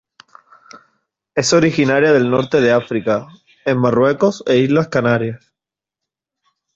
Es originaria del Norte de África en Marruecos e Islas Canarias.